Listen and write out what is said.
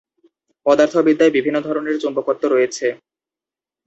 পদার্থবিদ্যায় বিভিন্ন ধরনের চুম্বকত্ব রয়েছে।